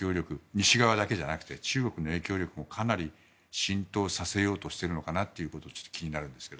西側だけじゃなくて中国の影響力もかなり浸透させようとしているんだなというのが気になるんですが。